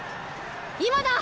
今だ！